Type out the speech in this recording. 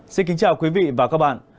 xin kính chào quý vị và các bạn